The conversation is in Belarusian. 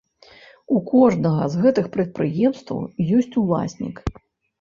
У кожнага з гэтых прадпрыемстваў ёсць уласнік.